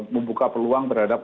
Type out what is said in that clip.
membuka peluang terhadap